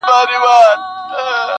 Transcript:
او سړی پوه نه سي چي نقاش څه غوښتل -